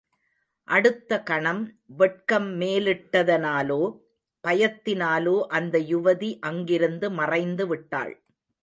அடுத்த கணம் வெட்கம் மேலிட்டதனாலோ, பயத்தினாலோ அந்த யுவதி அங்கிருந்து மறைந்துவிட்டாள்.